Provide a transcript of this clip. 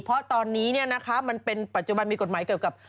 เพราะตอนนี้เนี่ยนะคะมันเป็นปัจจุบันมีกฎหมายเกี่ยวกับ